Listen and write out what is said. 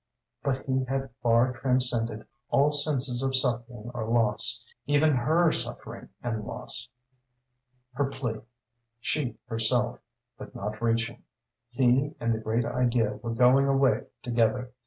But he had far transcended all sense of suffering or loss, even her suffering and loss. Her plea she herself could not reach him. He and the great idea were going away together.